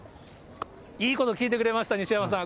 いいこと聞いてくれました、西山さん。